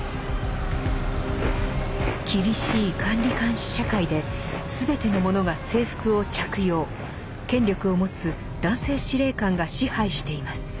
厳しい管理監視社会で全ての者が制服を着用権力を持つ男性司令官が支配しています。